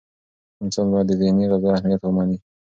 انسان باید د ذهني غذا اهمیت ومني.